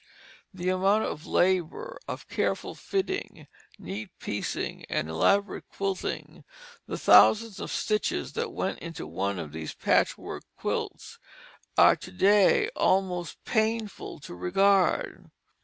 The amount of labor, of careful fitting, neat piecing, and elaborate quilting, the thousands of stitches that went into one of these patchwork quilts, are to day almost painful to regard.